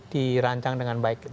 dirancang dengan baik